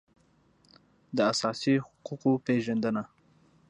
د اساسي حقوقو پېژندنه